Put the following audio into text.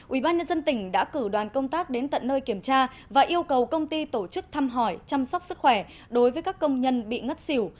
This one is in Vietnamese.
ubnd tỉnh đã cử đoàn công tác đến tận nơi kiểm tra và yêu cầu công ty tổ chức thăm hỏi chăm sóc sức khỏe đối với các công nhân bị ngất xỉu